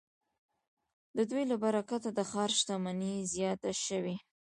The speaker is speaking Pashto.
د دوی له برکته د ښار شتمني زیاته شوې.